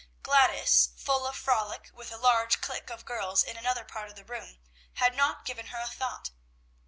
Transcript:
Gladys, full of frolic with a large clique of girls in another part of the room, had not given her a thought.